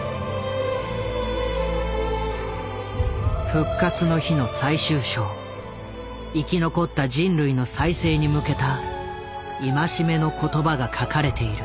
「復活の日」の最終章生き残った人類の再生に向けた戒めの言葉が書かれている。